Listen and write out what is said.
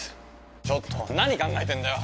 ちょっと何考えてんだよ